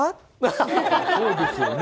そうですよね。